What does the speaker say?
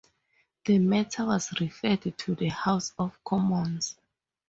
The matter was referred to the House of Commons.